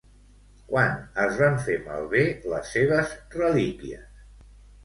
Quan es van fer malbé les seves relíquies?